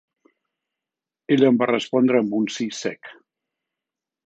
Ella em va respondre amb un sí sec.